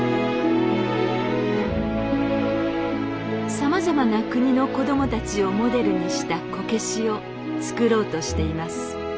さまざまな国の子供たちをモデルにしたこけしを作ろうとしています。